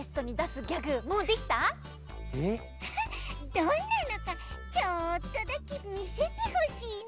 どんなのかちょっとだけみせてほしいな。